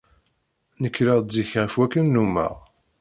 Nekreɣ-d zik ɣef wakken nnummeɣ.